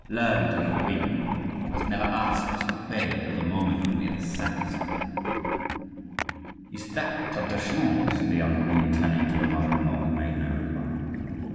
Learn to know women. You must never ask us to pay until the moment when we are satisfied." "Is that traditional?" said the young queen, turning to her mother in law, who made no reply.